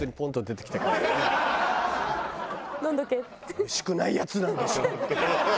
おいしくないやつなんでしょ？